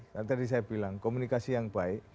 karena tadi saya bilang komunikasi yang baik